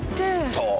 そう。